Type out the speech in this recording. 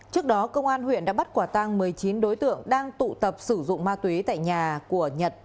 trước đó công an huyện đã bắt quả tang một mươi chín đối tượng đang tụ tập sử dụng ma túy tại nhà của nhật